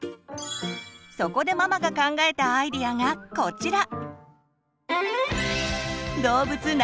そこでママが考えたアイデアがこちら！